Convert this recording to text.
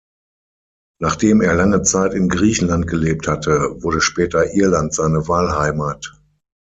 Nachdem er lange Zeit in Griechenland gelebt hatte, wurde später Irland seine Wahlheimat.